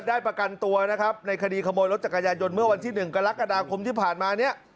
ประกันตัวนะครับในคดีขโมยรถจักรยานยนต์เมื่อวันที่๑กรกฎาคมที่ผ่านมาเนี่ย